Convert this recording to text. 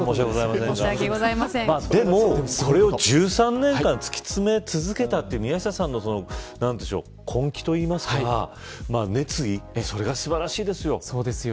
でも、これを１３年間突き詰め続けたという宮下さんの根気や熱意が素晴らしいです。